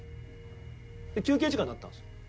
休憩時間になったんですよ。